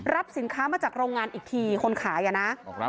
สินค้ามาจากโรงงานอีกทีคนขายอะนะ